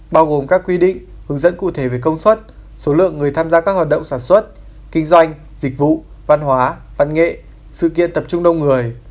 bao gồm các quy định hướng dẫn cụ thể về công suất số lượng người tham gia các hoạt động sản xuất kinh doanh dịch vụ văn hóa văn nghệ sự kiện tập trung đông người